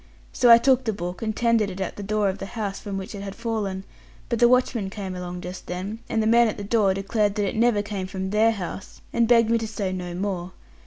So I took the book, and tendered it at the door of the house from which it had fallen; but the watchman came along just then, and the man at the door declared that it never came from their house, and begged me to say no more.